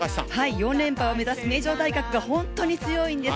４連覇を目指す名城大学が本当に強いです。